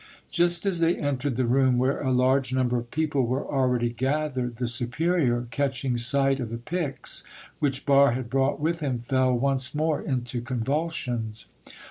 Just as they entered the room, where a large number of people were already gathered, the superior, catching sight of the pyx which Barre had brought with him, fell once more into convulsions.